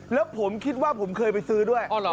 แล้วผมคิดว่าผมเคยไปซื้อด้วย